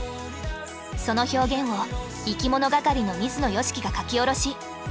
その表現をいきものがかりの水野良樹が書き下ろし。